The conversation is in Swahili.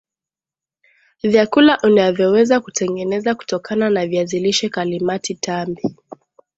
vyakula unavyoweza kutengeneza kutokana na viazi lishe Kalimati tambi